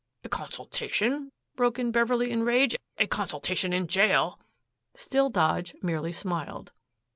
"A consultation?" broke in Beverley in rage. "A consultation in jail!" Still Dodge merely smiled.